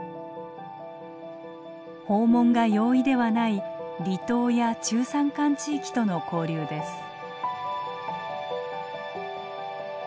訪問が容易ではない離島や中山間地域との交流です。